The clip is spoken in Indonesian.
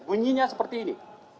bunyinya seperti ini